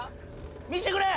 見してくれ！